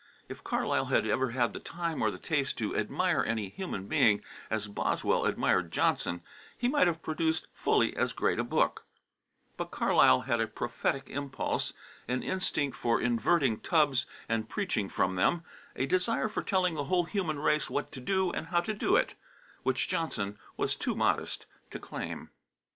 If Carlyle had ever had the time or the taste to admire any human being as Boswell admired Johnson, he might have produced fully as great a book; but Carlyle had a prophetic impulse, an instinct for inverting tubs and preaching from them, a desire for telling the whole human race what to do and how to do it, which Johnson was too modest to claim.